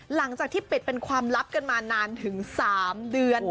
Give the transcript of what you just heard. หลังจากที่ปิดเป็นความลับกันมานานถึง๓เดือน